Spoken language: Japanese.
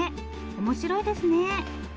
面白いですね。